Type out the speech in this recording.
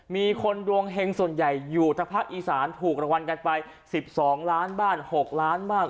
มีคนดวงเฮงส่วนใหญ่อยู่ทางภาคอีสานถูกรางวัลกันไป๑๒ล้านบ้าน๖ล้านบ้าง